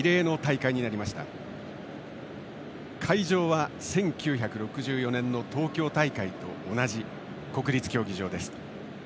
会場は１９６４年の東京大会と同じ国立競技場です。